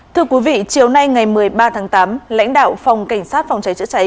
thưa quý vị chiều nay ngày một mươi ba tháng tám lãnh đạo phòng cảnh sát phòng cháy chữa cháy